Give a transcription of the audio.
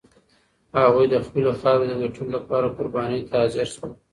هغوی د خپلې خاورې د ګټلو لپاره قربانۍ ته حاضر شول.